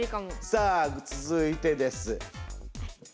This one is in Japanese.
さあつづいてです。